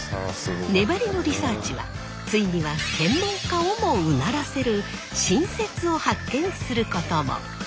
粘りのリサーチはついには専門家をもうならせる新説を発見することも。